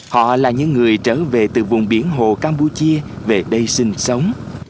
họ là những người trở về từ vùng biển hồ campuchia về đây sinh sống